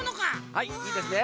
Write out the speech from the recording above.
はいいいですね。